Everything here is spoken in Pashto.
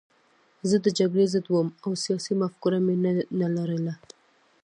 زه د جګړې ضد وم او سیاسي مفکوره مې نه لرله